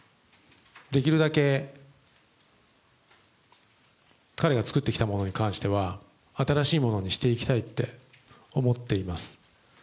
できるだけ彼が作ってきたものに関しては新しいものにしていきたいと思っています。